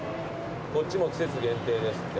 こっちも季節限定ですって。